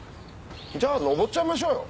じゃあ上っちゃいましょうよ。